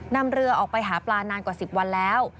นำเรือออกไปหาปลานานกว่า๑๐วันแล้ว